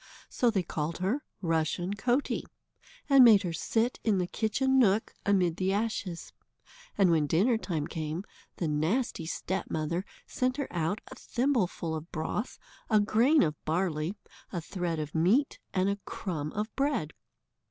So they called her Rushen Coatie, and made her sit in the kitchen nook, amid the ashes. And when dinner time came, the nasty stepmother sent her out a thimbleful of broth, a grain of barley, a thread of meat, and a crumb of bread.